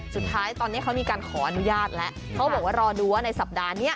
สุดท้ายตอนนี้เขามีการขออนุญาตแล้วเขาบอกว่ารอดูว่าในสัปดาห์นี้